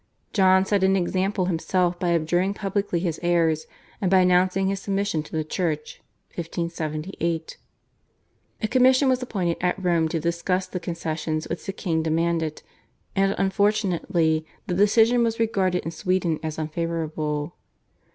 John set an example himself by abjuring publicly his errors and by announcing his submission to the Church (1578). A commission was appointed at Rome to discuss the concessions which the king demanded, and unfortunately the decision was regarded in Sweden as unfavourable.